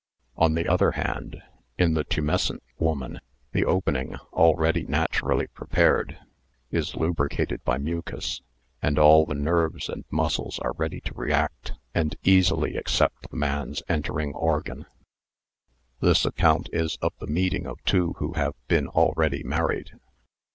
On the other hand, in the tumes • i ~|; cent woman the opening, already naturally prepared, J | is lubricated by mucus, and all the nerves and %' f , muscles are ready to react and easily accept the man's • 'r entering organ. This account is of the meeting of ' two who have been already married.